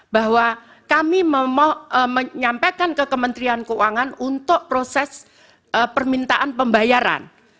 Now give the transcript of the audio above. bahwa kami menyampaikan ke kementerian keuangan untuk proses permintaan pembayaran